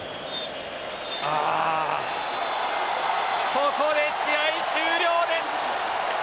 ここで試合終了です！